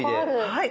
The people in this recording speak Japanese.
はい。